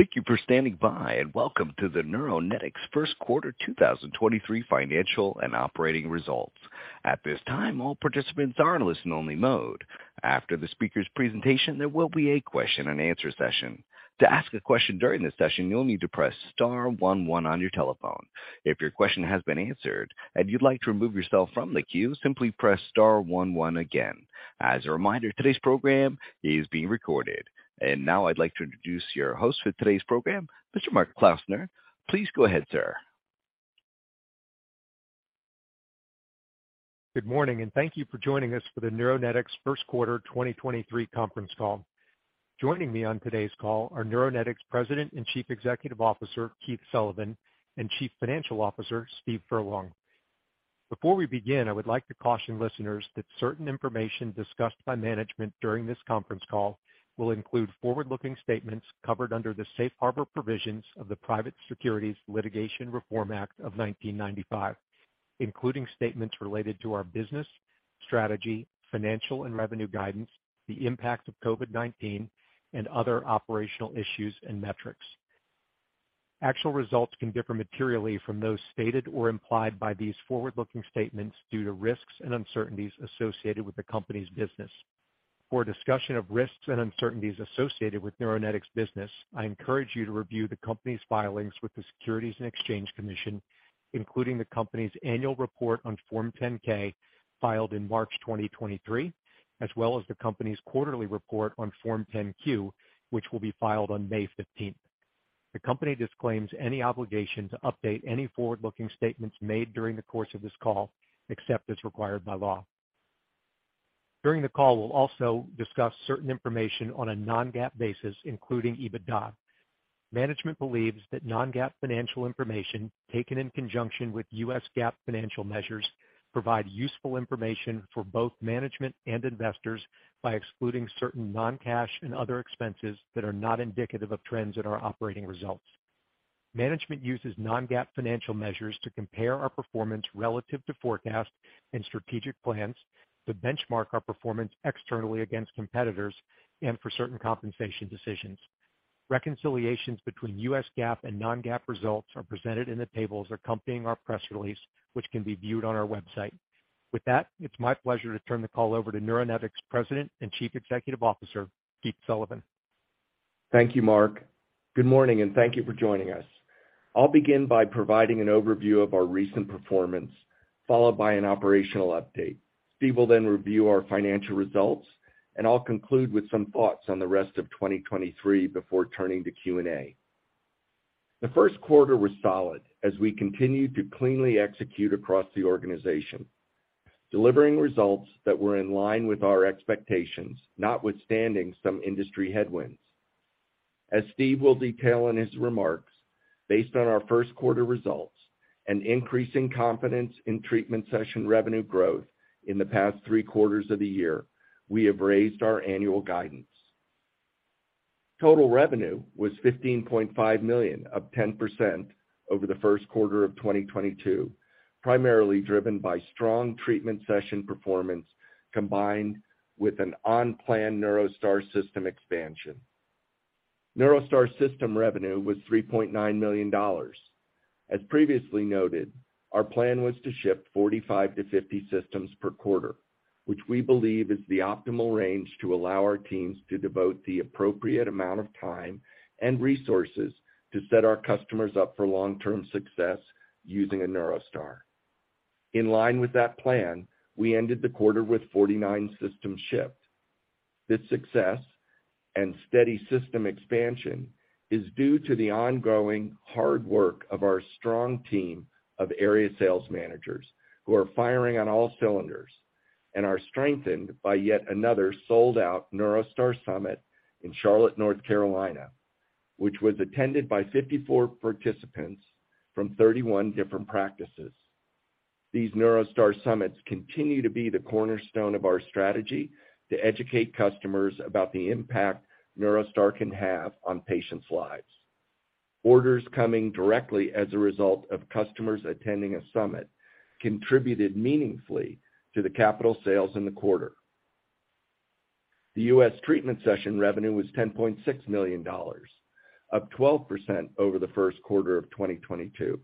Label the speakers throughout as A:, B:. A: Thank you for standing by and welcome to the Neuronetics first quarter 2023 financial and operating results. At this time, all participants are in listen only mode. After the speaker's presentation, there will be a question and answer session. To ask a question during this session, you'll need to press star one one on your telephone. If your question has been answered and you'd like to remove yourself from the queue, simply press star one one again. As a reminder, today's program is being recorded. Now I'd like to introduce your host for today's program, Mr. Mark Klausner. Please go ahead, sir.
B: Good morning, and thank you for joining us for the Neuronetics first quarter 2023 conference call. Joining me on today's call are Neuronetics President and Chief Executive Officer, Keith Sullivan, and Chief Financial Officer, Steve Furlong. Before we begin, I would like to caution listeners that certain information discussed by management during this conference call will include forward-looking statements covered under the safe harbor provisions of the Private Securities Litigation Reform Act of 1995, including statements related to our business, strategy, financial and revenue guidance, the impact of COVID-19, and other operational issues and metrics. Actual results can differ materially from those stated or implied by these forward-looking statements due to risks and uncertainties associated with the company's business. For a discussion of risks and uncertainties associated with Neuronetics business, I encourage you to review the company's filings with the Securities and Exchange Commission, including the company's annual report on Form 10-K filed in March 2023, as well as the company's quarterly report on Form 10-Q, which will be filed on May 15th. The company disclaims any obligation to update any forward-looking statements made during the course of this call, except as required by law. During the call, we'll also discuss certain information on a non-GAAP basis, including EBITDA. Management believes that non-GAAP financial information taken in conjunction with U.S. GAAP financial measures provide useful information for both management and investors by excluding certain non-cash and other expenses that are not indicative of trends in our operating results. Management uses non-GAAP financial measures to compare our performance relative to forecasts and strategic plans to benchmark our performance externally against competitors and for certain compensation decisions. Reconciliations between U.S. GAAP and non-GAAP results are presented in the tables accompanying our press release, which can be viewed on our website. With that, it's my pleasure to turn the call over to Neuronetics President and Chief Executive Officer, Keith Sullivan.
C: Thank you, Mark. Good morning, and thank you for joining us. I'll begin by providing an overview of our recent performance, followed by an operational update. Steve will then review our financial results, and I'll conclude with some thoughts on the rest of 2023 before turning to Q&A. The first quarter was solid as we continued to cleanly execute across the organization, delivering results that were in line with our expectations, notwithstanding some industry headwinds. As Steve will detail in his remarks, based on our first quarter results, an increase in confidence in treatment session revenue growth in the past three quarters of the year, we have raised our annual guidance. Total revenue was $15.5 million, up 10% over the first quarter of 2022, primarily driven by strong treatment session performance combined with an on-plan NeuroStar system expansion. NeuroStar system revenue was $3.9 million. As previously noted, our plan was to ship 45-50 systems per quarter, which we believe is the optimal range to allow our teams to devote the appropriate amount of time and resources to set our customers up for long-term success using a NeuroStar. In line with that plan, we ended the quarter with 49 systems shipped. This success and steady system expansion is due to the ongoing hard work of our strong team of area sales managers who are firing on all cylinders and are strengthened by yet another sold-out NeuroStar Summit in Charlotte, North Carolina, which was attended by 54 participants from 31 different practices. These NeuroStar Summits continue to be the cornerstone of our strategy to educate customers about the impact NeuroStar can have on patients' lives. Orders coming directly as a result of customers attending a summit contributed meaningfully to the capital sales in the quarter. The U.S. treatment session revenue was $10.6 million, up 12% over the first quarter of 2022.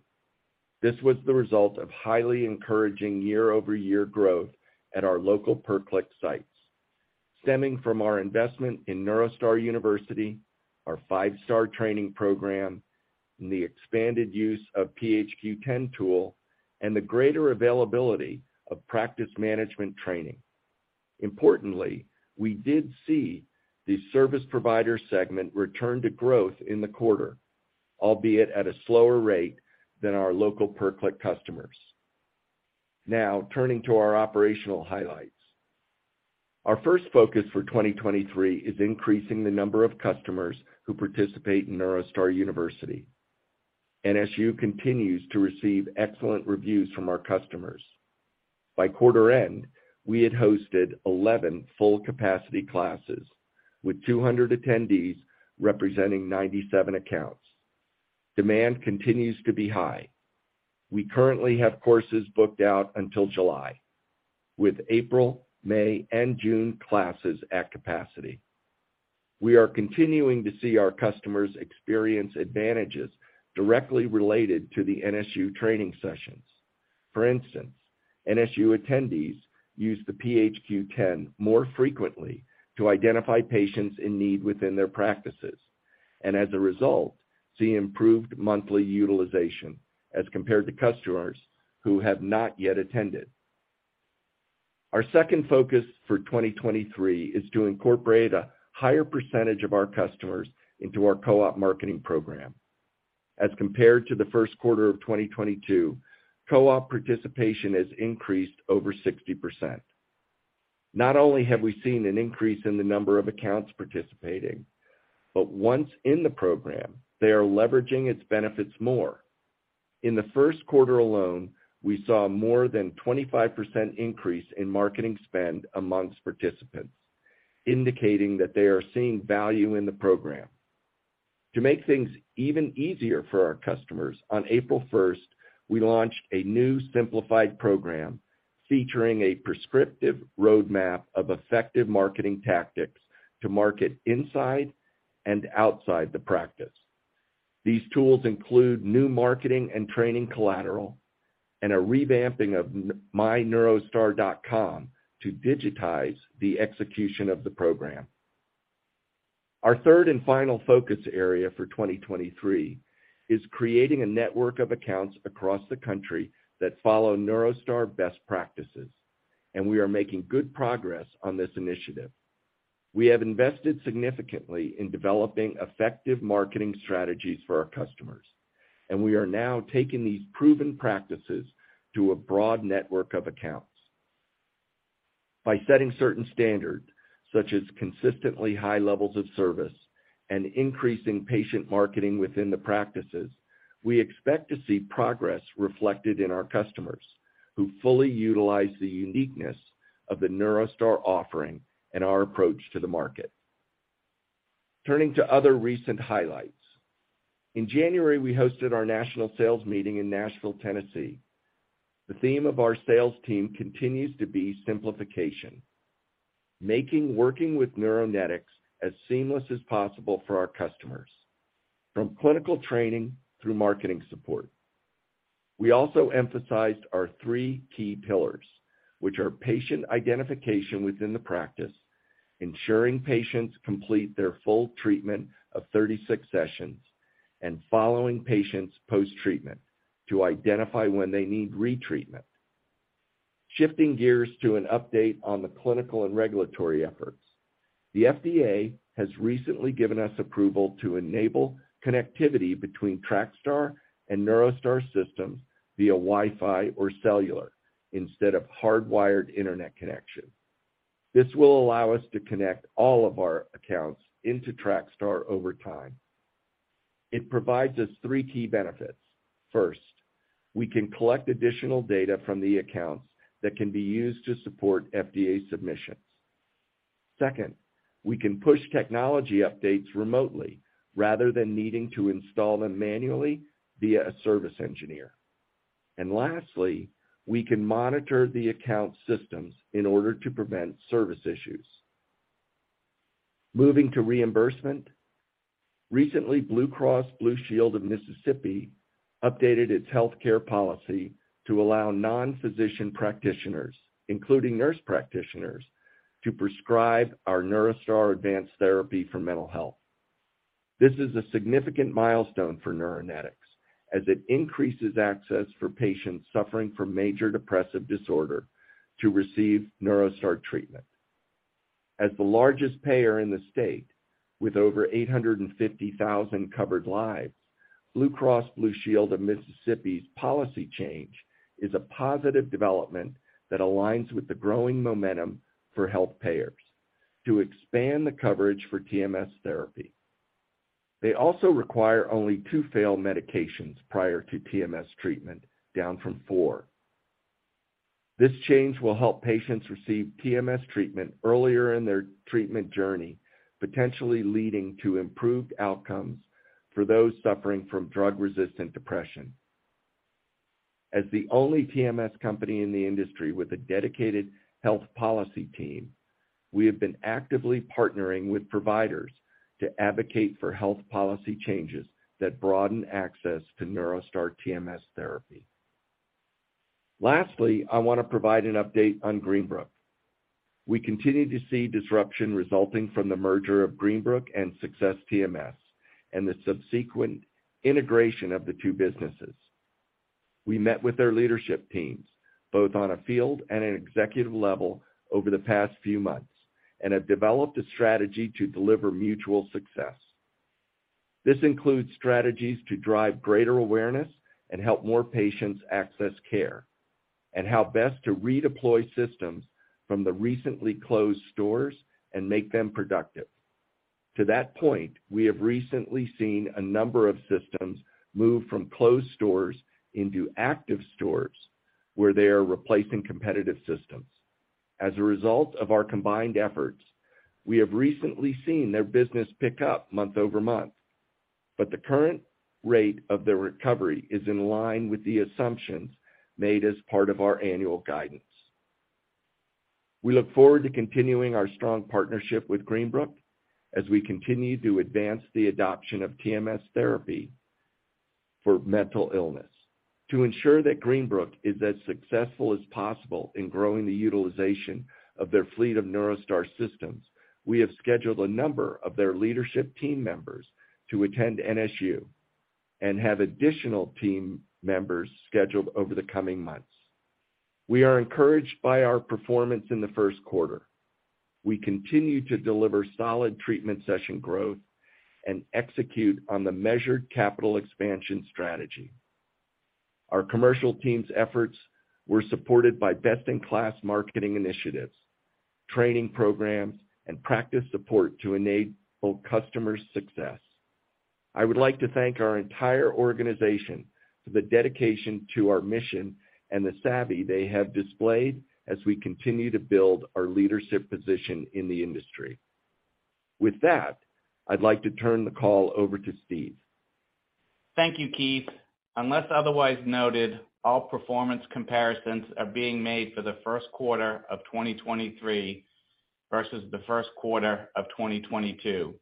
C: This was the result of highly encouraging year-over-year growth at our local per-click sites, stemming from our investment in NeuroStar University, our five-star training program, and the expanded use of PHQ-10 tool, and the greater availability of practice management training. Importantly, we did see the service provider segment return to growth in the quarter, albeit at a slower rate than our local per-click customers. Turning to our operational highlights. Our first focus for 2023 is increasing the number of customers who participate in NeuroStar University. NSU continues to receive excellent reviews from our customers. By quarter end, we had hosted 11 full capacity classes with 200 attendees representing 97 accounts. Demand continues to be high. We currently have courses booked out until July, with April, May, and June classes at capacity. We are continuing to see our customers experience advantages directly related to the NSU training sessions. For instance, NSU attendees use the PHQ-10 more frequently to identify patients in need within their practices, and as a result, see improved monthly utilization as compared to customers who have not yet attended. Our second focus for 2023 is to incorporate a higher percentage of our customers into our co-op marketing program. As compared to the first quarter of 2022, co-op participation has increased over 60%. Not only have we seen an increase in the number of accounts participating, but once in the program, they are leveraging its benefits more. In the 1st quarter alone, we saw more than 25% increase in marketing spend amongst participants, indicating that they are seeing value in the program. To make things even easier for our customers, on April 1st, we launched a new simplified program featuring a prescriptive roadmap of effective marketing tactics to market inside and outside the practice. These tools include new marketing and training collateral and a revamping of myneurostar.com to digitize the execution of the program. Our 3rd and final focus area for 2023 is creating a network of accounts across the country that follow NeuroStar best practices, and we are making good progress on this initiative. We have invested significantly in developing effective marketing strategies for our customers, and we are now taking these proven practices to a broad network of accounts. By setting certain standards, such as consistently high levels of service and increasing patient marketing within the practices, we expect to see progress reflected in our customers who fully utilize the uniqueness of the NeuroStar offering and our approach to the market. Turning to other recent highlights. In January, we hosted our national sales meeting in Nashville, Tennessee. The theme of our sales team continues to be simplification, making working with Neuronetics as seamless as possible for our customers, from clinical training through marketing support. We also emphasized our three key pillars, which are patient identification within the practice, ensuring patients complete their full treatment of 36 sessions, and following patients post-treatment to identify when they need retreatment. Shifting gears to an update on the clinical and regulatory efforts. The FDA has recently given us approval to enable connectivity between TrakStar and NeuroStar systems via Wi-Fi or cellular instead of hardwired internet connection. This will allow us to connect all of our accounts into TrakStar over time. It provides us three key benefits. First, we can collect additional data from the accounts that can be used to support FDA submissions. Second, we can push technology updates remotely rather than needing to install them manually via a service engineer. Lastly, we can monitor the account systems in order to prevent service issues. Moving to reimbursement. Recently, Blue Cross Blue Shield of Mississippi updated its healthcare policy to allow non-physician practitioners, including nurse practitioners, to prescribe our NeuroStar advanced therapy for mental health. This is a significant milestone for Neuronetics as it increases access for patients suffering from major depressive disorder to receive NeuroStar treatment. As the largest payer in the state with over 850,000 covered lives, Blue Cross Blue Shield of Mississippi's policy change is a positive development that aligns with the growing momentum for health payers to expand the coverage for TMS therapy. They also require only two failed medications prior to TMS treatment, down from four. This change will help patients receive TMS treatment earlier in their treatment journey, potentially leading to improved outcomes for those suffering from drug-resistant depression. As the only TMS company in the industry with a dedicated health policy team, we have been actively partnering with providers to advocate for health policy changes that broaden access to NeuroStar TMS therapy. Lastly, I want to provide an update on Greenbrook. We continue to see disruption resulting from the merger of Greenbrook and Success TMS and the subsequent integration of the two businesses. We met with their leadership teams, both on a field and an executive level over the past few months, have developed a strategy to deliver mutual success. This includes strategies to drive greater awareness and help more patients access care, how best to redeploy systems from the recently closed stores and make them productive. To that point, we have recently seen a number of systems move from closed stores into active stores, where they are replacing competitive systems. As a result of our combined efforts, we have recently seen their business pick up month-over-month, the current rate of the recovery is in line with the assumptions made as part of our annual guidance. We look forward to continuing our strong partnership with Greenbrook as we continue to advance the adoption of TMS therapy for mental illness. To ensure that Greenbrook is as successful as possible in growing the utilization of their fleet of NeuroStar systems, we have scheduled a number of their leadership team members to attend NSU and have additional team members scheduled over the coming months. We are encouraged by our performance in the first quarter. We continue to deliver solid treatment session growth and execute on the measured capital expansion strategy. Our commercial team's efforts were supported by best-in-class marketing initiatives, training programs, and practice support to enable customer success. I would like to thank our entire organization for the dedication to our mission and the savvy they have displayed as we continue to build our leadership position in the industry. With that, I'd like to turn the call over to Steve.
D: Thank you, Keith. Unless otherwise noted, all performance comparisons are being made for the first quarter of 2023 versus the first quarter of 2022.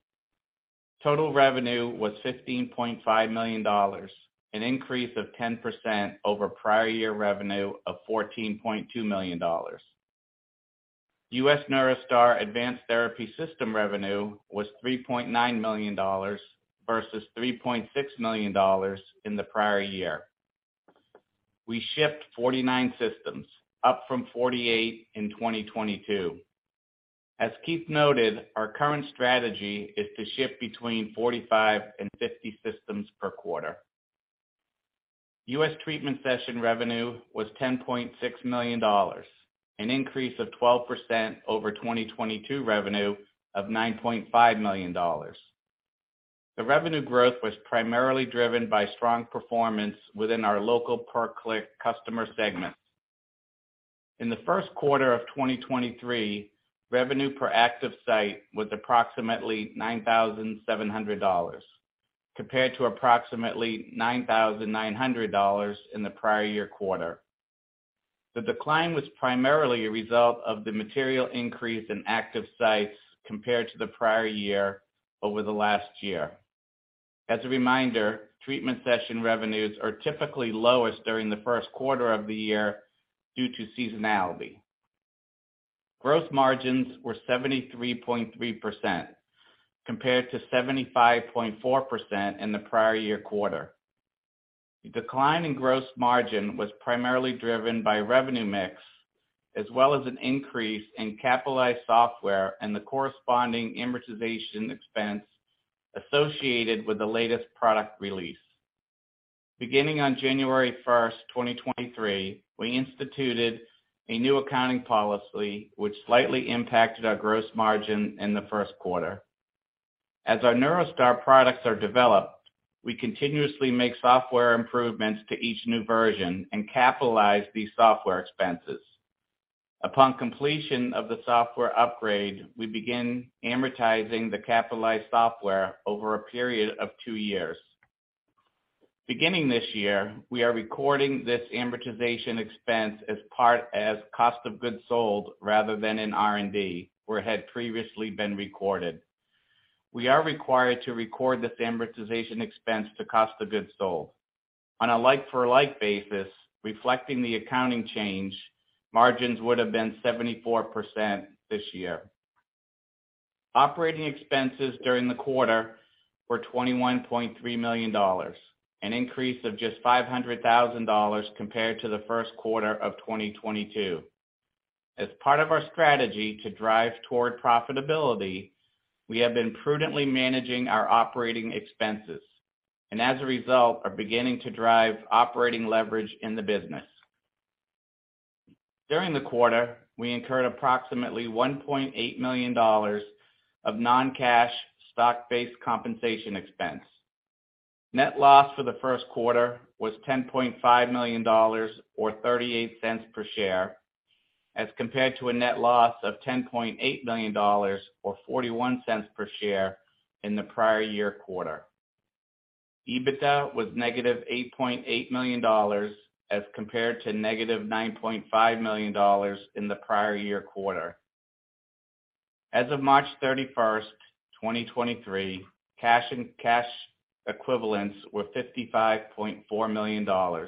D: Total revenue was $15.5 million, an increase of 10% over prior year revenue of $14.2 million. U.S. NeuroStar advanced therapy system revenue was $3.9 million versus $3.6 million in the prior year. We shipped 49 systems, up from 48 in 2022. As Keith noted, our current strategy is to ship between 45 and 50 systems per quarter. U.S. treatment session revenue was $10.6 million, an increase of 12% over 2022 revenue of $9.5 million. The revenue growth was primarily driven by strong performance within our local per-click customer segments. In the first quarter of 2023, revenue per active site was approximately $9,700 compared to approximately $9,900 in the prior year quarter. The decline was primarily a result of the material increase in active sites compared to the prior year over the last year. As a reminder, treatment session revenues are typically lowest during the first quarter of the year due to seasonality. Gross margins were 73.3% compared to 75.4% in the prior year quarter. The decline in gross margin was primarily driven by revenue mix, as well as an increase in capitalized software and the corresponding amortization expense associated with the latest product release. Beginning on January 1st, 2023, we instituted a new accounting policy which slightly impacted our gross margin in the first quarter. As our NeuroStar products are developed, we continuously make software improvements to each new version and capitalize these software expenses. Upon completion of the software upgrade, we begin amortizing the capitalized software over a period of two years. Beginning this year, we are recording this amortization expense as part as cost of goods sold rather than in R&D, where it had previously been recorded. We are required to record this amortization expense to cost of goods sold. On a like-for-like basis, reflecting the accounting change, margins would have been 74% this year. Operating expenses during the quarter were $21.3 million, an increase of just $500,000 compared to the first quarter of 2022. As part of our strategy to drive toward profitability, we have been prudently managing our operating expenses and as a result, are beginning to drive operating leverage in the business. During the quarter, we incurred approximately $1.8 million of non-cash stock-based compensation expense. Net loss for the first quarter was $10.5 million or $0.38 per share as compared to a net loss of $10.8 million or $0.41 per share in the prior year quarter. EBITDA was negative $8.8 million as compared to negative $9.5 million in the prior year quarter. As of March 31, 2023, cash and cash equivalents were $55.4 million.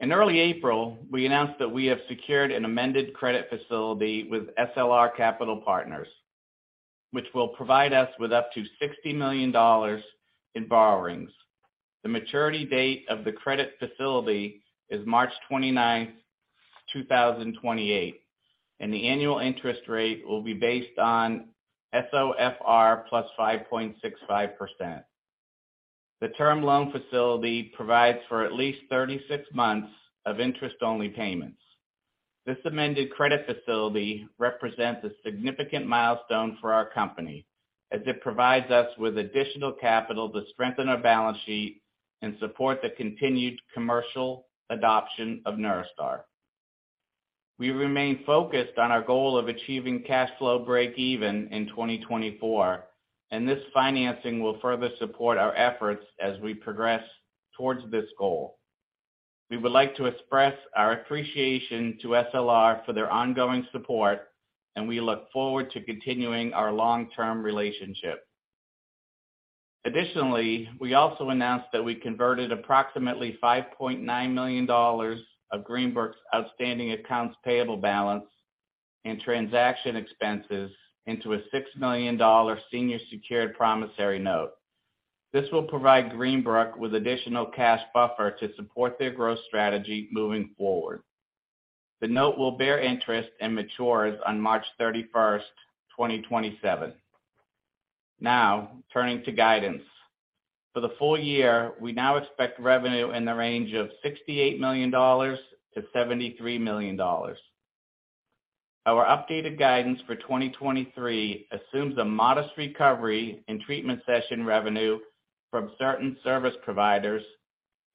D: In early April, we announced that we have secured an amended credit facility with SLR Capital Partners, which will provide us with up to $60 million in borrowings. The maturity date of the credit facility is March 29, 2028, and the annual interest rate will be based on SOFR plus 5.65%. The term loan facility provides for at least 36 months of interest-only payments. This amended credit facility represents a significant milestone for our company as it provides us with additional capital to strengthen our balance sheet and support the continued commercial adoption of NeuroStar. We remain focused on our goal of achieving cash flow breakeven in 2024. This financing will further support our efforts as we progress towards this goal. We would like to express our appreciation to SLR for their ongoing support, and we look forward to continuing our long-term relationship. We also announced that we converted approximately $5.9 million of Greenbrook's outstanding accounts payable balance and transaction expenses into a $6 million senior secured promissory note. This will provide Greenbrook with additional cash buffer to support their growth strategy moving forward. The note will bear interest and matures on March 31st, 2027. Now, turning to guidance. For the full year, we now expect revenue in the range of $68 million-$73 million. Our updated guidance for 2023 assumes a modest recovery in treatment session revenue from certain service providers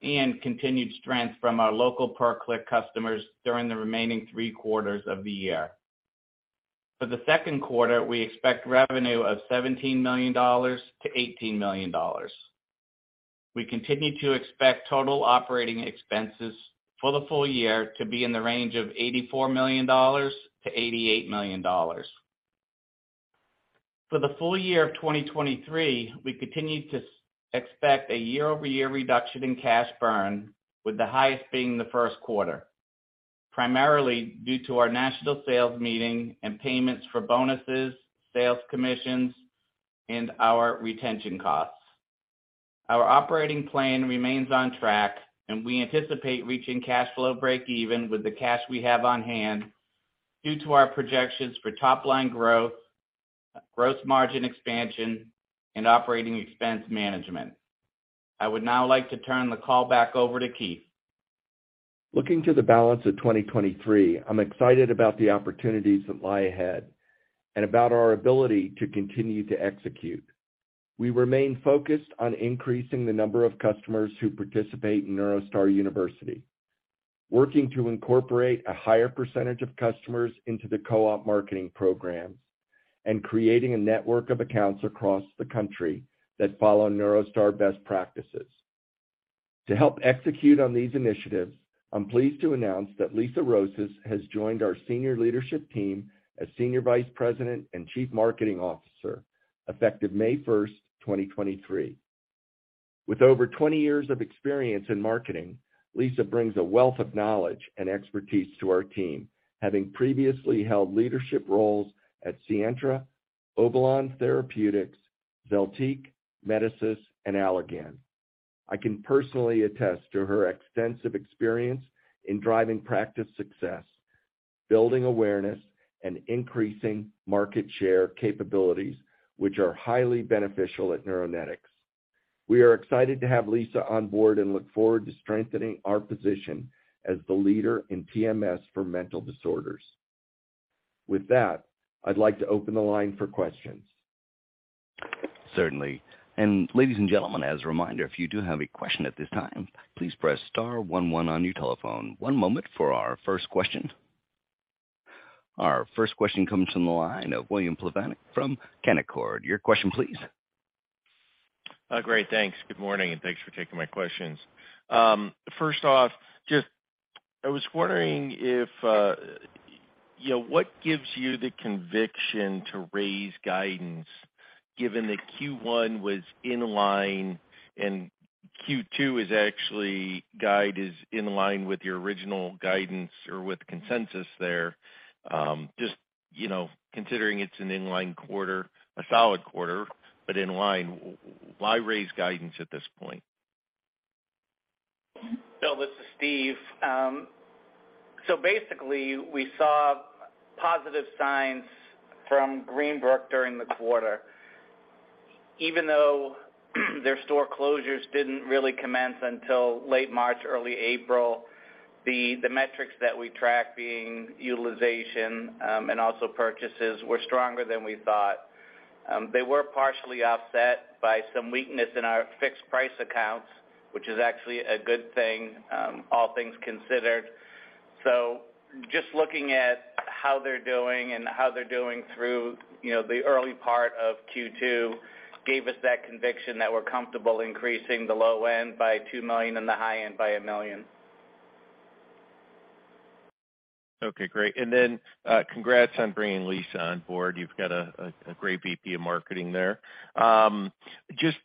D: and continued strength from our local per-click customers during the remaining three quarters of the year. For the second quarter, we expect revenue of $17 million-$18 million. We continue to expect total operating expenses for the full year to be in the range of $84 million-$88 million. For the full year of 2023, we continue to expect a year-over-year reduction in cash burn, with the highest being the first quarter, primarily due to our national sales meeting and payments for bonuses, sales commissions, and our retention costs. Our operating plan remains on track. We anticipate reaching cash flow breakeven with the cash we have on hand due to our projections for top-line growth, gross margin expansion, and operating expense management. I would now like to turn the call back over to Keith.
C: Looking to the balance of 2023, I'm excited about the opportunities that lie ahead and about our ability to continue to execute. We remain focused on increasing the number of customers who participate in NeuroStar University, working to incorporate a higher percentage of customers into the co-op marketing programs, and creating a network of accounts across the country that follow NeuroStar best practices. To help execute on these initiatives, I'm pleased to announce that Lisa Rosas has joined our senior leadership team as Senior Vice President and Chief Marketing Officer, effective May first, 2023. With over 20 years of experience in marketing, Lisa brings a wealth of knowledge and expertise to our team, having previously held leadership roles at Sientra, Obalon Therapeutics, Zeltiq, Medicis, and Allergan. I can personally attest to her extensive experience in driving practice success, building awareness, and increasing market share capabilities, which are highly beneficial at Neuronetics. We are excited to have Lisa on board and look forward to strengthening our position as the leader in TMS for mental disorders. With that, I'd like to open the line for questions.
A: Certainly. Ladies and gentlemen, as a reminder, if you do have a question at this time, please press star one one on your telephone. One moment for our first question. Our first question comes from the line of William Plovanic from Canaccord. Your question, please.
E: Great. Thanks. Good morning. Thanks for taking my questions. First off, I was wondering if, you know, what gives you the conviction to raise guidance given that Q1 was in line and Q2 guide is in line with your original guidance or with consensus there. Just, you know, considering it's an in-line quarter, a solid quarter, but in line, why raise guidance at this point?
D: Bill, this is Steve. Basically, we saw positive signs from Greenbrook during the quarter. Even though their store closures didn't really commence until late March, early April, the metrics that we track being utilization, and also purchases were stronger than we thought. They were partially offset by some weakness in our fixed price accounts, which is actually a good thing, all things considered. Just looking at how they're doing and how they're doing through, you know, the early part of Q2 gave us that conviction that we're comfortable increasing the low end by $2 million and the high end by $1 million.
E: Okay, great. Congrats on bringing Lisa on board. You've got a great VP of Marketing there. Just,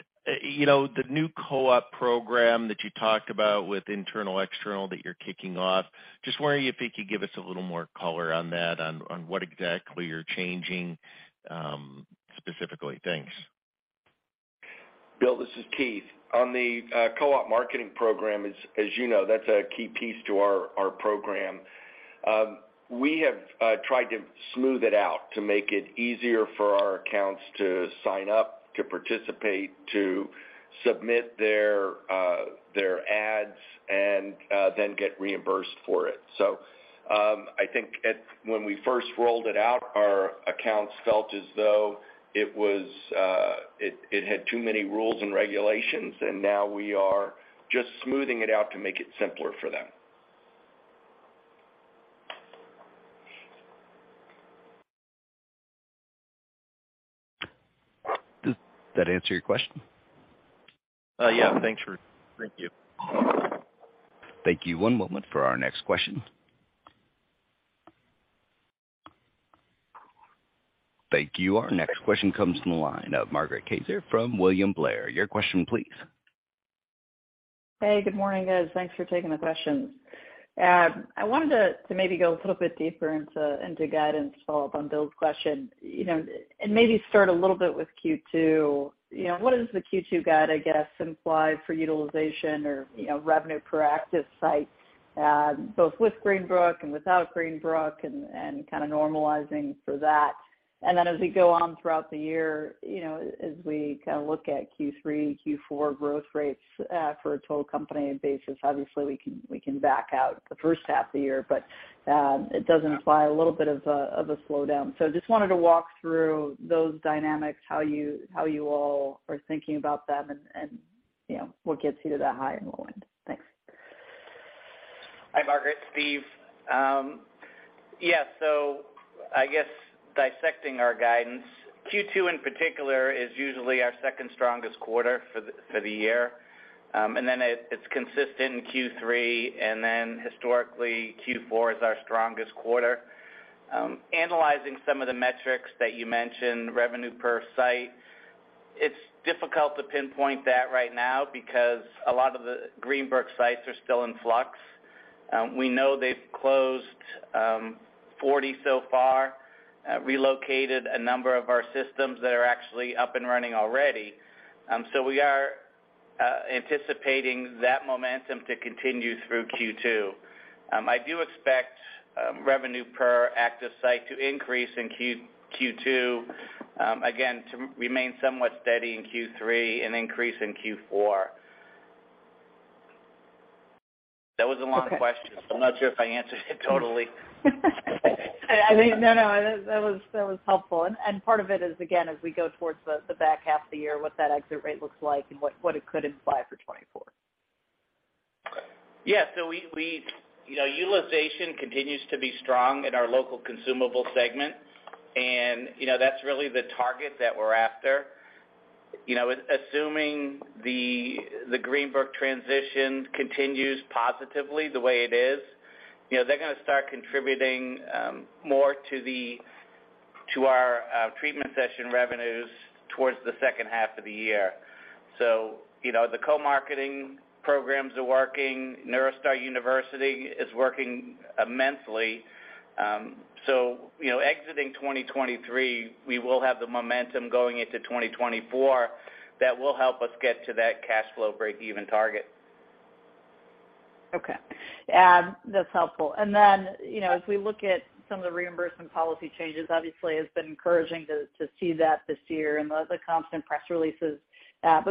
E: you know, the new co-op program that you talked about with internal-external that you're kicking off, just wondering if you could give us a little more color on that, on what exactly you're changing specifically. Thanks.
C: Bill, this is Keith. On the co-op marketing program, as you know, that's a key piece to our program. We have tried to smooth it out to make it easier for our accounts to sign up, to participate, to submit their ads, and then get reimbursed for it. I think when we first rolled it out, our accounts felt as though it was it had too many rules and regulations, and now we are just smoothing it out to make it simpler for them. Does that answer your question?
E: Yeah. Thank you.
A: Thank you. One moment for our next question. Thank you. Our next question comes from the line of Margaret Kaczor from William Blair. Your question please.
F: Hey, good morning, guys. Thanks for taking the questions. I wanted to maybe go a little bit deeper into guidance to follow up on Bill's question, you know, and maybe start a little bit with Q2. You know, what does the Q2 guide, I guess, imply for utilization or, you know, revenue per active site, both with Greenbrook and without Greenbrook and kinda normalizing for that? Then as we go on throughout the year, you know, as we kinda look at Q3, Q4 growth rates, for a total company basis, obviously, we can back out the first half of the year, but, it does imply a little bit of a slowdown. just wanted to walk through those dynamics, how you all are thinking about them and, you know, what gets you to that high-end, low-end. Thanks.
D: Hi, Margaret. Steve. Yeah. I guess dissecting our guidance, Q2, in particular, is usually our second strongest quarter for the year. Then it's consistent in Q3, and then historically, Q4 is our strongest quarter. Analyzing some of the metrics that you mentioned, revenue per site, it's difficult to pinpoint that right now because a lot of the Greenbrook sites are still in flux. We know they've closed 40 so far, relocated a number of our systems that are actually up and running already. We are anticipating that momentum to continue through Q2. I do expect revenue per active site to increase in Q2, again, to remain somewhat steady in Q3 and increase in Q4. That was a long question, so I'm not sure if I answered it totally.
F: No, no. That was helpful. Part of it is, again, as we go towards the back half of the year, what that exit rate looks like and what it could imply for 2024.
D: Yeah. We, you know, utilization continues to be strong in our local consumable segment, and, you know, that's really the target that we're after. You know, assuming the Greenbrook transition continues positively the way it is, you know, they're gonna start contributing more to our treatment session revenues towards the second half of the year. You know, the co-marketing programs are working. NeuroStar University is working immensely. You know, exiting 2023, we will have the momentum going into 2024 that will help us get to that cash flow breakeven target.
F: Okay. That's helpful. You know, as we look at some of the reimbursement policy changes, obviously, it's been encouraging to see that this year and the constant press releases.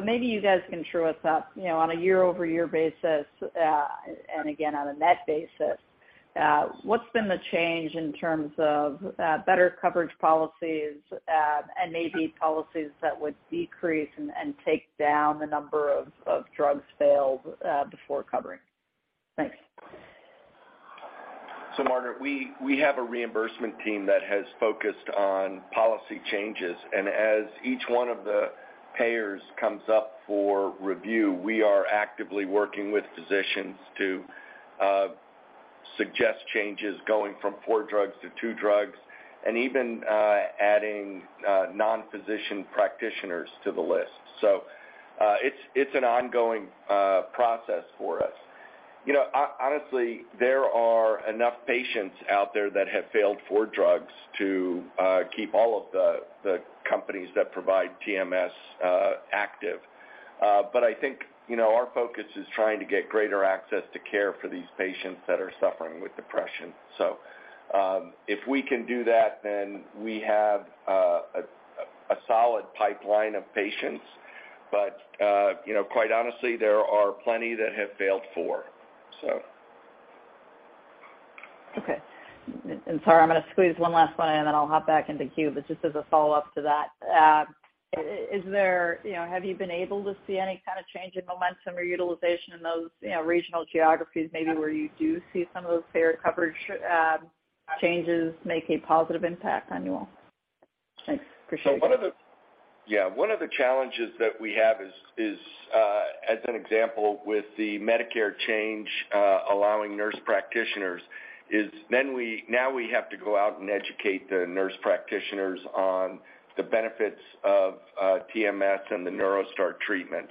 F: Maybe you guys can true us up, you know, on a year-over-year basis, and again on a net basis. What's been the change in terms of better coverage policies, and maybe policies that would decrease and take down the number of drugs failed, before covering? Thanks.
C: Margaret, we have a reimbursement team that has focused on policy changes. As each one of the payers comes up for review, we are actively working with physicians to suggest changes going from four drugs to two drugs, and even adding non-physician practitioners to the list. It's an ongoing process for us. You know, honestly, there are enough patients out there that have failed four drugs to keep all of the companies that provide TMS active. I think, you know, our focus is trying to get greater access to care for these patients that are suffering with depression. If we can do that, then we have a solid pipeline of patients. You know, quite honestly, there are plenty that have failed four, so.
F: Okay. Sorry, I'm going to squeeze 1 last one in, and then I'll hop back into queue. Just as a follow-up to that, is there... You know, have you been able to see any kind of change in momentum or utilization in those, you know, regional geographies maybe where you do see some of those payer coverage changes making a positive impact on you all? Thanks. Appreciate it.
C: One of the... Yeah. One of the challenges that we have is, as an example with the Medicare change, allowing nurse practitioners. Now we have to go out and educate the nurse practitioners on the benefits of TMS and the NeuroStar treatment.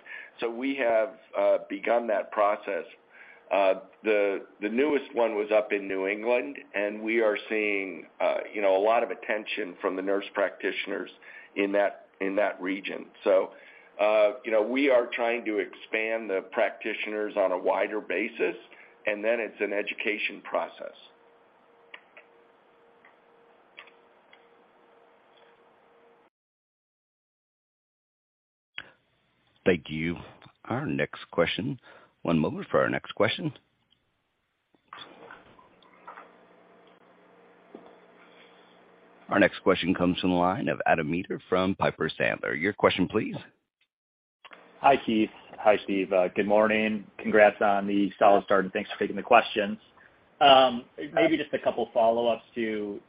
C: We have begun that process. The newest one was up in New England, and we are seeing, you know, a lot of attention from the nurse practitioners in that region. You know, we are trying to expand the practitioners on a wider basis, and then it's an education process.
A: Thank you. Our next question. One moment for our next question. Our next question comes from the line of Adam Maeder from Piper Sandler. Your question please.
G: Hi, Keith. Hi, Steve. good morning. Congrats on the solid start, and thanks for taking the questions. Maybe just a couple follow-ups to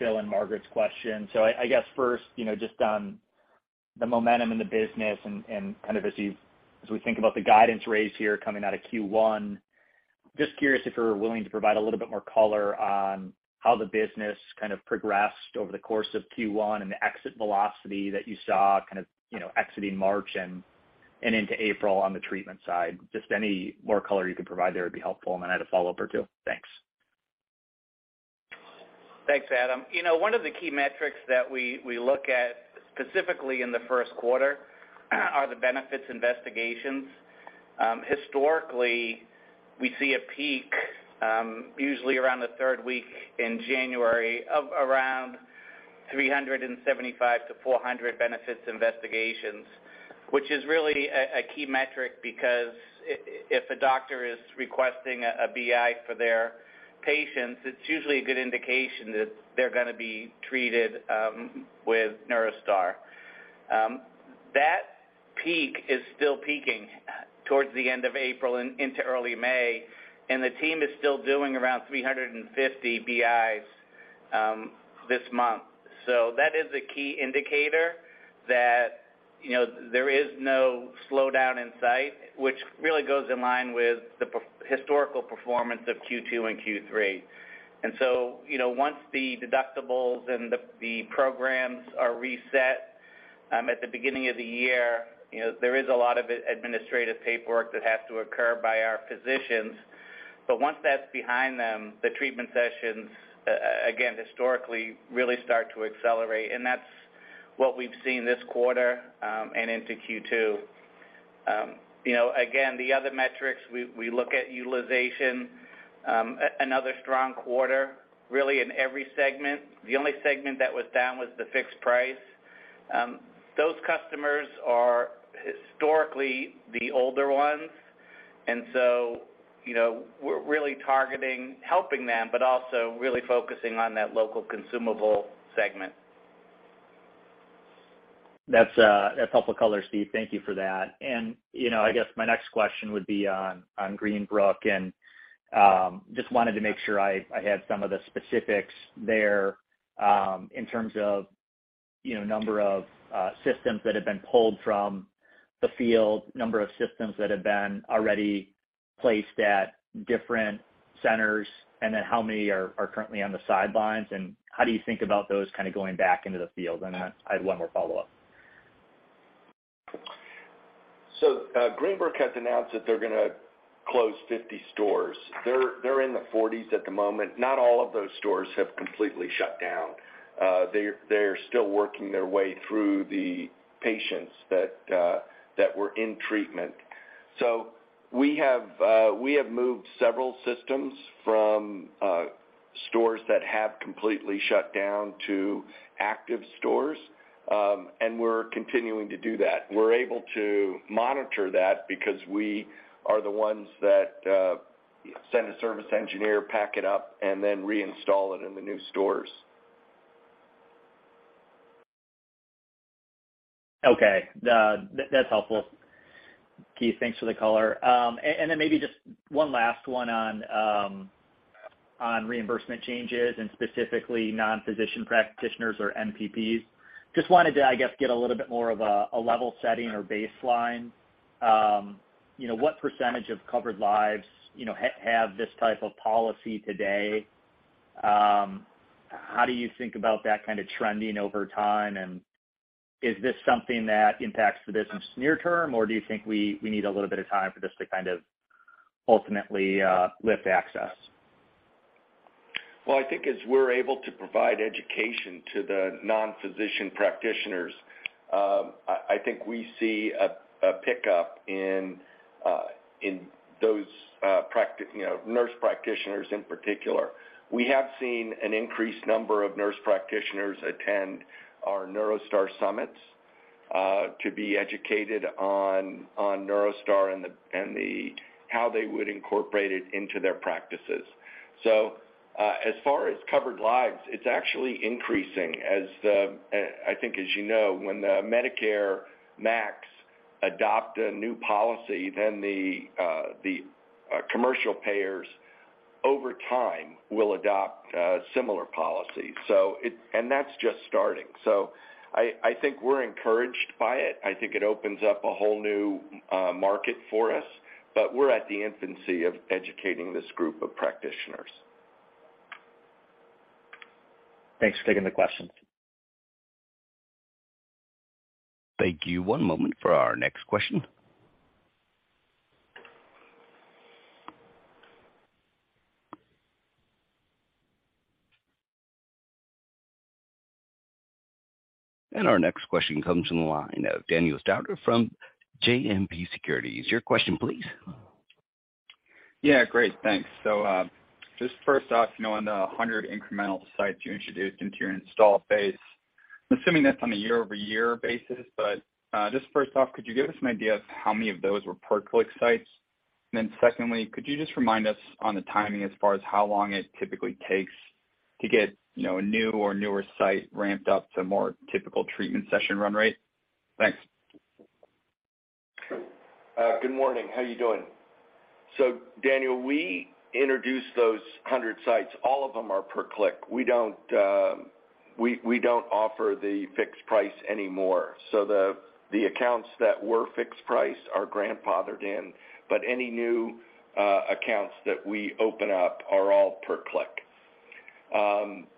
G: William and Margaret's question. I guess first, you know, just on the momentum in the business and kind of as we think about the guidance raise here coming out of Q1, just curious if you're willing to provide a little bit more color on how the business kind of progressed over the course of Q1 and the exit velocity that you saw kind of, you know, exiting March and into April on the treatment side. Just any more color you could provide there would be helpful. I had a follow-up or two. Thanks.
D: Thanks, Adam. You know, one of the key metrics that we look at specifically in the first quarter are the benefits investigations. Historically, we see a peak usually around the third week in January of around 375-400 benefits investigations, which is really a key metric because if a doctor is requesting a BI for their patients, it's usually a good indication that they're gonna be treated with NeuroStar. That peak is still peaking towards the end of April and into early May, and the team is still doing around 350 BIs this month. That is a key indicator that, you know, there is no slowdown in sight, which really goes in line with the historical performance of Q2 and Q3. You know, once the deductibles and the programs are reset, at the beginning of the year, you know, there is a lot of administrative paperwork that has to occur by our physicians. Once that's behind them, the treatment sessions, again, historically, really start to accelerate. That's what we've seen this quarter, and into Q2. You know, again, the other metrics, we look at utilization, another strong quarter, really in every segment. The only segment that was down was the fixed price. Those customers are historically the older ones. You know, we're really targeting helping them, but also really focusing on that local consumable segment.
G: That's helpful color, Steve. Thank you for that. You know, I guess my next question would be on Greenbrook. Just wanted to make sure I had some of the specifics there, in terms of, you know, number of systems that have been pulled from the field, number of systems that have been already placed at different centers, and then how many are currently on the sidelines, and how do you think about those kinda going back into the field? Then I had one more follow-up.
C: Greenbrook has announced that they're gonna close 50 stores. They're in the 40's at the moment. Not all of those stores have completely shut down. They're still working their way through the patients that were in treatment. We have moved several systems from stores that have completely shut down to active stores, and we're continuing to do that. We're able to monitor that because we are the ones that send a service engineer, pack it up, and then reinstall it in the new stores.
G: Okay. That's helpful. Keith, thanks for the color. Then maybe just 1 last one on reimbursement changes and specifically non-physician practitioners or NPPs. Just wanted to, I guess, get a little bit more of a level setting or baseline. You know, what percentage of covered lives, you know, have this type of policy today? How do you think about that kind of trending over time? Is this something that impacts the business near term, or do you think we need a little bit of time for this to kind of ultimately, lift access?
C: I think as we're able to provide education to the non-physician practitioners, I think we see a pickup in those, you know, nurse practitioners in particular. We have seen an increased number of nurse practitioners attend our NeuroStar Summit to be educated on NeuroStar and the how they would incorporate it into their practices. As far as covered lives, it's actually increasing. I think as you know, when the Medicare MACs adopt a new policy, then the commercial payers over time will adopt similar policies. That's just starting. I think we're encouraged by it. I think it opens up a whole new market for us, but we're at the infancy of educating this group of practitioners.
G: Thanks for taking the question.
A: Thank you. One moment for our next question. Our next question comes from the line of Danny Stauder from JMP Securities. Your question please.
H: Great, thanks. Just first off, you know, on the 100 incremental sites you introduced into your installed base, I'm assuming that's on a year-over-year basis. Just first off, could you give us an idea of how many of those were per-click sites? Secondly, could you just remind us on the timing as far as how long it typically takes to get, you know, a new or newer site ramped up to more typical treatment session run rate? Thanks.
C: Good morning. How are you doing? Daniel, we introduced those 100 sites. All of them are per-click. We don't offer the fixed price anymore. The accounts that were fixed price are grandfathered in, but any new accounts that we open up are all per-click.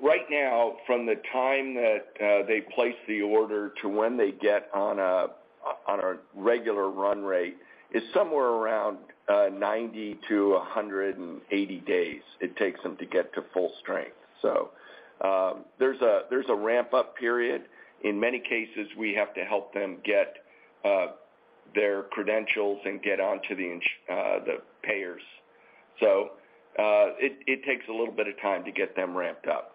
C: Right now, from the time that they place the order to when they get on a regular run rate is somewhere around 90-180 days, it takes them to get to full strength. There's a ramp-up period. In many cases, we have to help them get their credentials and get on to the payers. It takes a little bit of time to get them ramped up.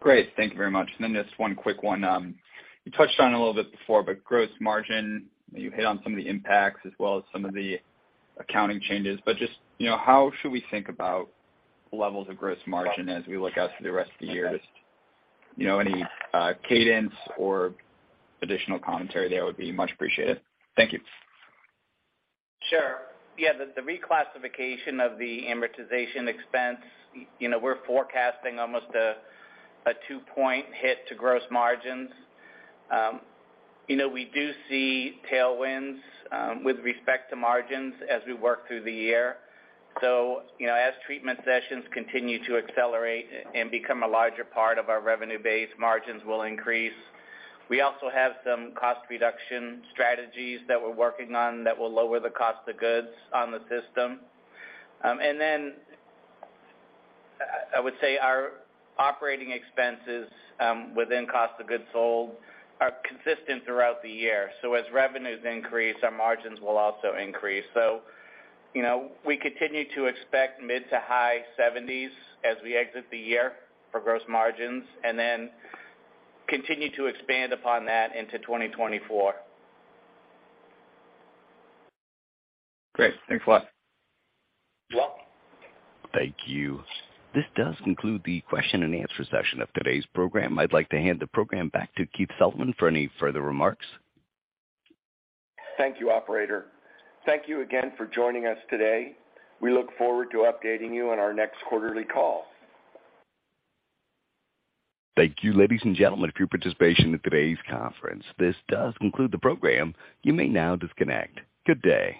H: Great. Thank you very much. Just one quick one. You touched on a little bit before, but gross margin, you hit on some of the impacts as well as some of the accounting changes. Just, you know, how should we think about levels of gross margin as we look out for the rest of the year? Just, you know, any cadence or additional commentary there would be much appreciated. Thank you.
D: Sure. Yeah, the reclassification of the amortization expense, you know, we're forecasting almost a 2-point hit to gross margins. You know, we do see tailwinds with respect to margins as we work through the year. You know, as treatment sessions continue to accelerate and become a larger part of our revenue base, margins will increase. We also have some cost reduction strategies that we're working on that will lower the cost of goods on the system. And then I would say our operating expenses within cost of goods sold are consistent throughout the year. As revenues increase, our margins will also increase. You know, we continue to expect mid-to-high 70s as we exit the year for gross margins and then continue to expand upon that into 2024.
H: Great. Thanks a lot.
D: You're welcome.
A: Thank you. This does conclude the question and answer session of today's program. I'd like to hand the program back to Keith Sullivan for any further remarks.
C: Thank you, operator. Thank you again for joining us today. We look forward to updating you on our next quarterly call.
A: Thank you, ladies and gentlemen, for your participation in today's conference. This does conclude the program. You may now disconnect. Good day.